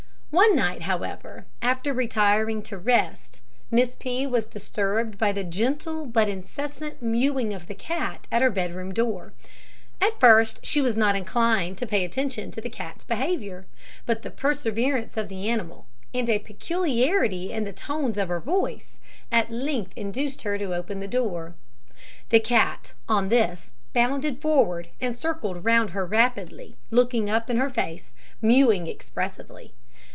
One night, however, after retiring to rest, Miss P was disturbed by the gentle but incessant mewing of the cat at her bed room door. At first she was not inclined to pay attention to the cat's behaviour, but the perseverance of the animal, and a peculiarity in the tones of her voice, at length induced her to open the door. The cat, on this, bounded forward, and circled round her rapidly, looking up in her face, mewing expressively.